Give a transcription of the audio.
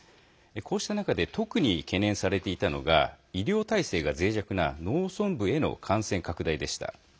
こうした中で特に懸念されていたのが医療体制がぜい弱な農村部への感染拡大でした。